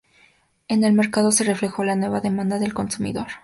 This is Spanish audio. En el mercado se reflejó la nueva demanda del consumidor.